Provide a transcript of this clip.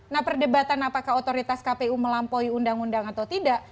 nah perdebatan apakah otoritas kpu melampaui undang undang atau tidak